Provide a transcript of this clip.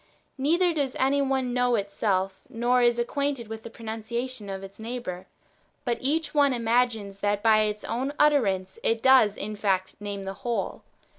Neither does any one know^ itself, nor is it acquainted with the pronunciation of its neighbour, but each one imagines that by its own utter ance it does in fact name the wdiole.